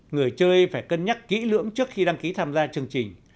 người chơi phải cân nhắc kỹ lưỡng trước khi đăng ký tham gia chương trình